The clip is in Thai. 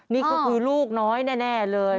นี่ก็คือลูกน้อยแน่เลย